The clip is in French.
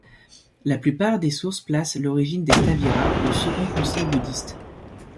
La plupart des sources placent l'origine des Sthaviras au Second concile bouddhiste.